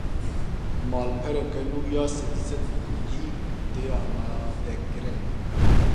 Malpereke nû ya sedî sed bi Kurdî, tê amadekirin